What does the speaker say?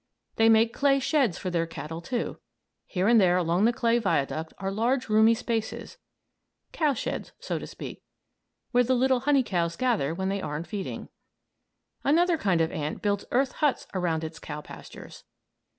They make clay sheds for their cattle, too. Here and there along the clay viaduct are large roomy spaces, cow sheds, so to speak where the little honey cows gather when they aren't feeding. Another kind of ant builds earth huts around its cow pastures.